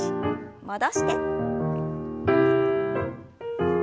戻して。